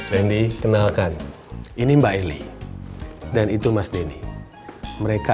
jadi mulai besok